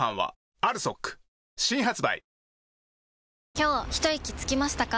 今日ひといきつきましたか？